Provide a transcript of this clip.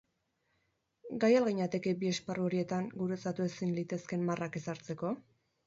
Gai al ginateke bi esparru horietan gurutzatu ezin litezken marrak ezartzeko?